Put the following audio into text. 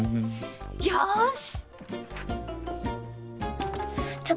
よし！